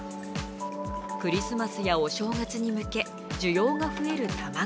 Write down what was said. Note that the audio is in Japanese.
クリスマスやお正月に向け、需要が増える卵。